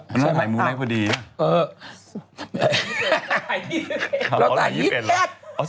วันนั้นถ่ายมูไนท์พอดีเราถ่าย๒๑แล้ว